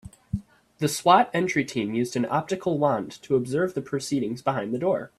The S.W.A.T. entry team used an optical wand to observe the proceedings behind the door.